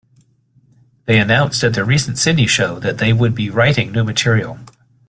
They announced at their recent Sydney show that they would be writing new material.